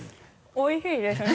おいしいですね。